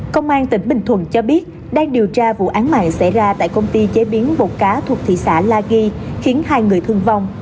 công an tỉnh bình thuận cho biết đang điều tra vụ án mạng xảy ra tại công ty chế biến bột cá thuộc thị xã la ghi khiến hai người thương vong